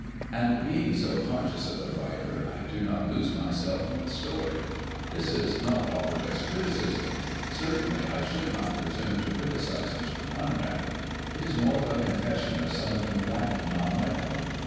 And being so conscious of the writer, I do not lose myself in the story. This is not offered as criticism: certainly I should not presume to criticise Mr. Conrad. It is more of a confession of something lacking on my part.